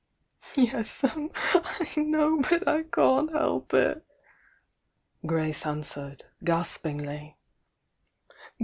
.„^ "Yes 'm, I know, but I can't help it!" Grace an swered, gaspingly.